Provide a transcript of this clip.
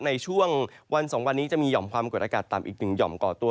ในช่วงวัน๒วันนี้จะมีห่อมความกดอากาศต่ำอีกหนึ่งห่อมก่อตัว